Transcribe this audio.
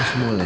semua udah ya